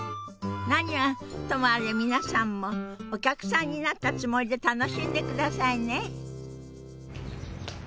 何はともあれ皆さんもお客さんになったつもりで楽しんでくださいね。